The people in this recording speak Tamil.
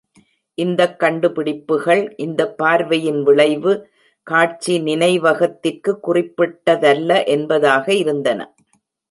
இந்தக் கண்டுபிடிப்புகள், இந்தப் பார்வையின் விளைவு, காட்சி நினைவகத்திற்கு குறிப்பிட்டதல்ல என்பதாக இருந்தன.